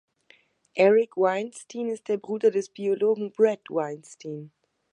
Eric Weinstein ist der Bruder des Biologen Bret Weinstein.